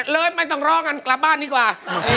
เลยไม่ต้องรอกันกลับบ้านดีกว่า